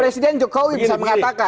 presiden jokowi bisa mengatakan